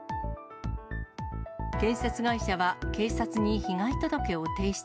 建設会社は警察に被害届を提出。